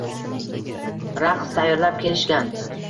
raqs tayyorlab kelishgan.